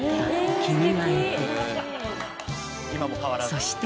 そして。